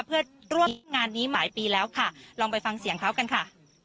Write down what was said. เพื่อร่วมงานนี้หลายปีแล้วค่ะลองไปฟังเสียงเขากันค่ะ